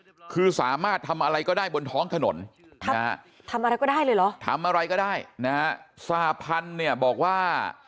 คือสามารถทำอะไรก็ได้บนท้องถนนทำอะไรก็ได้เลยเหรอทำอะไรก็ได้นะฮะสหพันธุ์เนี่ยบอกว่า